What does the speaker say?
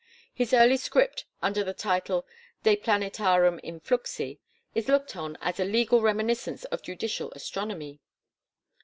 His early script under the title De planetarum influxi is looked on as a legal reminiscence of judicial astronomy.